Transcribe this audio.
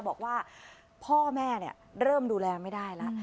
บอกว่าพ่อแม่เริ่มดูแลไม่ได้แล้ว